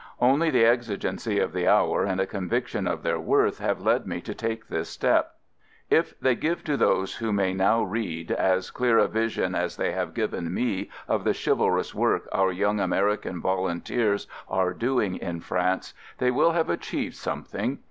Only the exigency of the hour and a conviction of their worth have led me to take this step. If they give to those who may now read as clear a vision as they have given me of the chivalrous work our young American volunteers are doing in France, they will have achieved something.